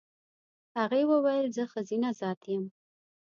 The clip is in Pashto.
هغې وویل زه ښځینه ذات یم.